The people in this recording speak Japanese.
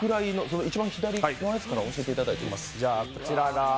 一番左のやつから教えていただいていいですか？